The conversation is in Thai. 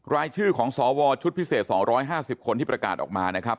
รายชื่อของสวชุดพิเศษ๒๕๐คนที่ประกาศออกมานะครับ